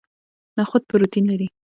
نخود پروتین لري